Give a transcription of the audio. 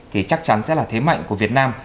thì chắc chắn sẽ là thế mạnh của việt nam